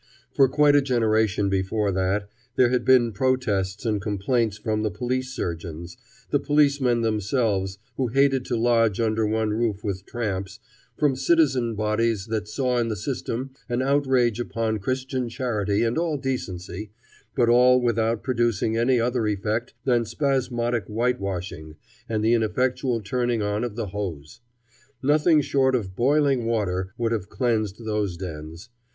For quite a generation before that there had been protests and complaints from the police surgeons, the policemen themselves who hated to lodge under one roof with tramps, from citizen bodies that saw in the system an outrage upon Christian charity and all decency, but all without producing any other effect than spasmodic whitewashing and the ineffectual turning on of the hose. Nothing short of boiling water would have cleansed those dens.